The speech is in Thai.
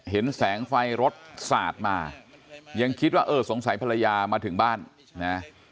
เห็นแสงไฟรถสาดมายังคิดว่าเออสงสัยภรรยามาถึงบ้านนะ